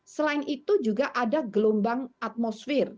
selain itu juga ada gelombang atmosfer